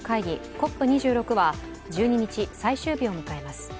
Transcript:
ＣＯＰ２６は１２日、最終日を迎えます。